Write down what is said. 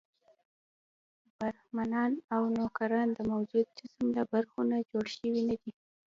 برهمنان او نوکران د موجود جسم له برخو نه جوړ شوي نه دي.